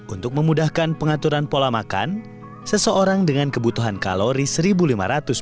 untuk memudahkan pengaturan pola makan seseorang dengan kebutuhan kalori sering berkisar di antara dua ribu dua ratus hingga tiga ribu dua ratus kalori